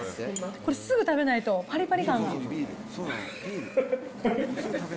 これ、すぐ食べないと、ぱりぱり感が。